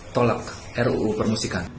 tolak ruu permusikan